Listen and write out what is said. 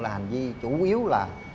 là hành vi chủ yếu là